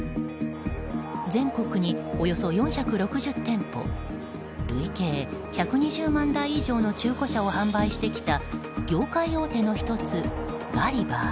全国におよそ４６０店舗累計１２０万台以上の中古車を販売してきた業界大手の１つ、ガリバー。